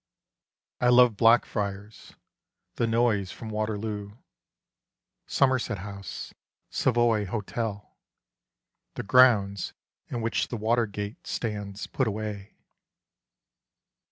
I love Black friars, the noise from Waterloo, Somerset House, Savoy Hotel ; the grounds In which the water gate stands put away.